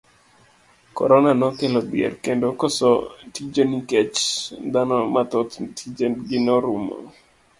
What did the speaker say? Korona nokelo dhier kendo koso tije nikech dhano mathoth tije gi norumo.